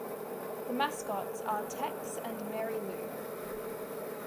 The mascots are "Tex" and "Mary Lou.